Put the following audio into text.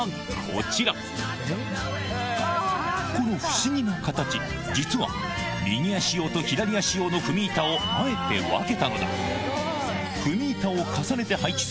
この不思議な形実は右足用と左足用の踏み板をあえて分けたのだ